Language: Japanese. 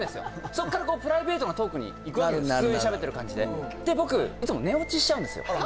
そっからプライベートなトークにいくわけですよなるなる普通に喋ってる感じでで僕いつも寝落ちしちゃうんですよ